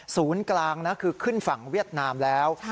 ศูนย์กลางนะคือขึ้นฝั่งเวียดนามแล้ว